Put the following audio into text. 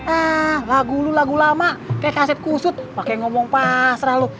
ah lagu lu lagu lama kayak kaset kusut pake ngomong pasrah lu